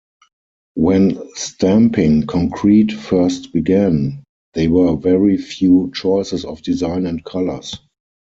When stamping concrete first began, there were very few choices of design and colors.